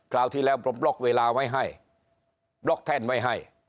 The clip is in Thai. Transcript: ราวที่แล้วผมบล็อกเวลาไว้ให้บล็อกแท่นไว้ให้